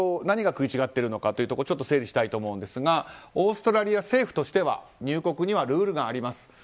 何が食い違っているのか整理したいとおもうんですがオーストラリア政府としては入国にはルールがあります。